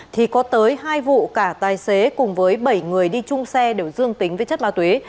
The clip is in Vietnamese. thì có tới hai vụ cả tài xế cùng với bảy người đi chung xe đều dương tính với chất ma túy